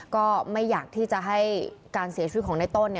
ก็ไม่อยากที่จะให้การเสียชีวิตของในต้น